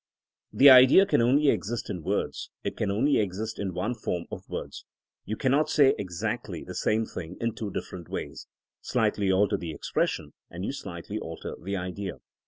The idea can only exist in words, it can only exist in one form of words. You cannot say exactly the same thing in two different ways. Slightly alter the expression, and you slightly alter the idea.